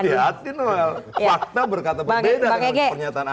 hati hati noel fakta berkata berbeda dengan pernyataan anda